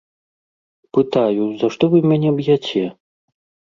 Пытаю, за што вы мяне б'яце?